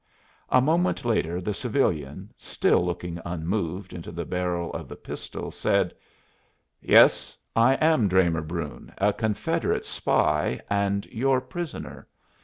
A moment later the civilian, still looking unmoved into the barrel of the pistol, said: "Yes, I am Dramer Brune, a Confederate spy, and your prisoner.